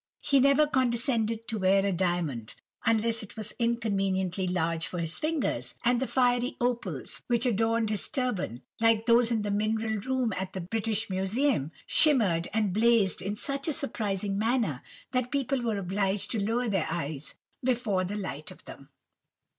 He never condescended to wear a diamond unless it was inconveniently large for his fingers, and the fiery opals which adorned his turban (like those in the mineral room at the British Museum) shimmered and blazed in such a surprising manner, that people were obliged to lower their eyes before the light of them.